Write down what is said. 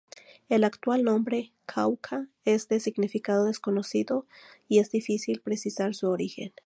El actual nombre "Cauca" es de significado desconocido y es difícil precisar su origen.